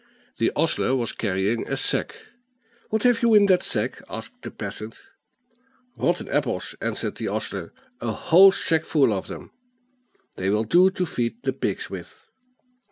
The ostler was carrying a sack. "What have you in that sack?" asked the peasant. "Rotten apples," answered the ostler; "a whole sackful of them. They will do to feed the pigs with."